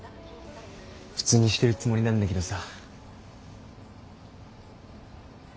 普通にしてるつもりなんだけどさ。